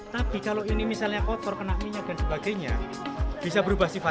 tapi kalau ini misalnya kotor kena minyak dan sebagainya bisa berubah sifatnya